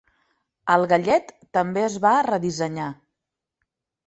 El gallet també es va redissenyar.